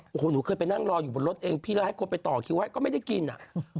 โอ้โหหนูเคยไปนั่งรออยู่บนรถเองพี่แล้วให้คนไปต่อคิวไว้ก็ไม่ได้กินอ่ะ